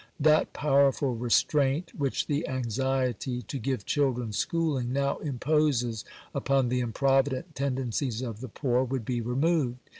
That powerful restraint which the anxiety to give children schooling now imposes upon the im provident tendencies of the poor, would be removed.